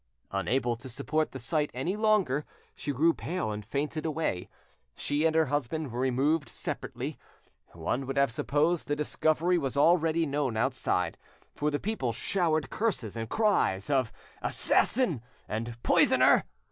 Unable to support the sight any longer, she grew pale and fainted away. She and her husband were removed separately. One would have supposed the discovery was already known outside, for the people showered curses and cries of "Assassin!" and "Poisoner!"